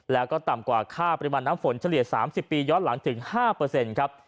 แล้วก็ต่ำกว่าค่าปริมาณน้ำฝนเฉลี่ย๓๐ปีย้อนหลังถึง๕ครับ